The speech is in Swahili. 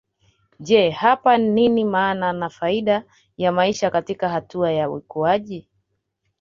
Je hapa nini maana na faida ya maisha katika hatua ya ukuaji